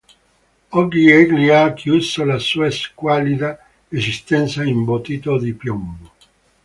Oggi egli ha chiuso la sua squallida esistenza imbottito di piombo.